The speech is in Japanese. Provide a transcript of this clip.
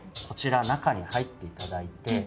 こちら中に入って頂いて。